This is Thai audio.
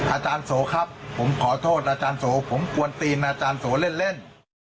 อาจารย์โสครับผมขอโทษอาจารย์โสผมควรตีนอาจารย์โสเล่น